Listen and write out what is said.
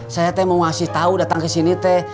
saya tante mau kasih tahu datang ke sini tante